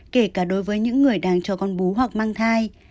kể cả đối với những người đang cho con bú hoặc mang thai